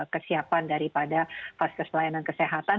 kesiapan daripada vaskes pelayanan kesehatan